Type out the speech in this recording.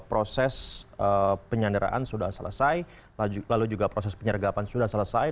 proses penyanderaan sudah selesai lalu juga proses penyergapan sudah selesai